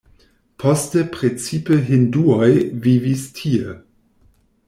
Poste precipe hinduoj vivis tie.